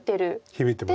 響いてます。